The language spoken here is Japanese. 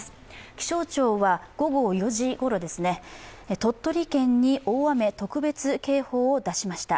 気象庁は午後４時ごろ、鳥取県に大雨特別警報を出しました。